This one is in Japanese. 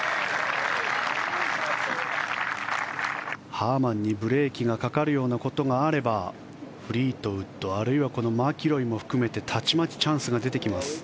ハーマンにブレーキがかかるようなことがあればフリートウッドあるいはこのマキロイも含めてたちまちチャンスが出てきます。